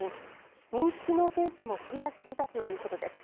認知機能検査もクリアしていたということです。